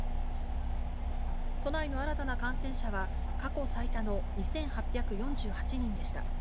都内の新たな感染者は、過去最多の２８４８人でした。